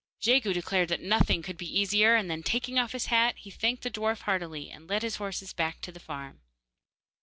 Jegu declared that nothing could be easier, and then taking off his hat, he thanked the dwarf heartily, and led his horses back to the farm.